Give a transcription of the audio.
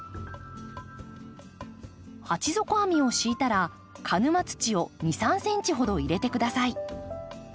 鉢底網を敷いたら鹿沼土を２３ｃｍほど入れて下さい。